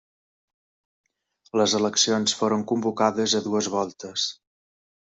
Les eleccions foren convocades a dues voltes.